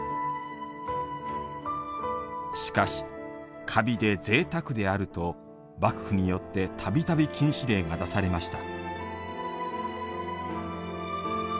しかし「華美でぜいたくである」と幕府によってたびたび禁止令が出されました。